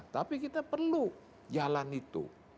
tapi kita perlu jalan itu